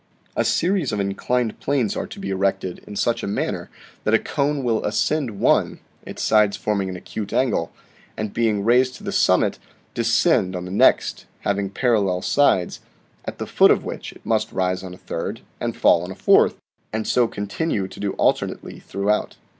A series of inclined planes are to be erected in such a manner that a cone will ascend one (its sides forming an acute angle), and being raised to the summit, descend on the next (having parallel sides), at the foot of which it must rise on a third and fall on a fourth, and so continue to do alternately throughout.